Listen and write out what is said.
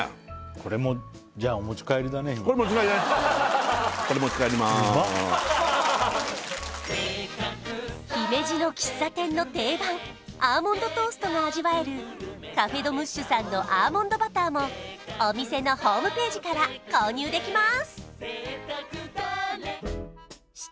これ持ち帰りね姫路の喫茶店の定番アーモンドトーストが味わえるカフェ・ド・ムッシュさんのアーモンドバターもお店のホームページから購入できます